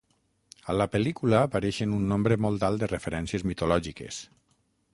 A la pel·lícula apareixen un nombre molt alt de referències mitològiques.